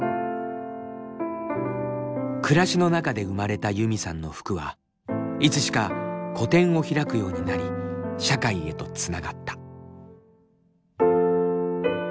暮らしの中で生まれたユミさんの服はいつしか個展を開くようになり社会へとつながった。